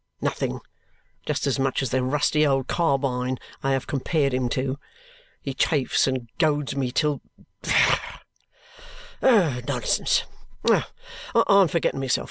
Nothing. Just as much as the rusty old carbine I have compared him to. He chafes and goads me till Bah! Nonsense! I am forgetting myself. Mr.